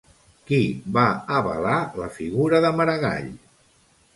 Qui va avalar la figura de Maragall?